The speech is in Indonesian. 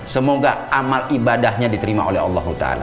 semoga amal ibadahnya diterima oleh allah